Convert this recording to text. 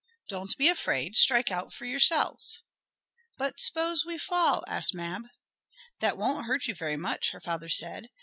"Don't be afraid, strike out for yourselves." "But s'pose we fall?" asked Mab. "That won't hurt you very much," her father said.